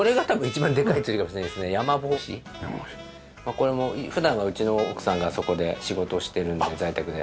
これも普段はうちの奥さんがあそこで仕事をしてるので在宅で。